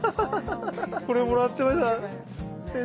これもらってました先生が。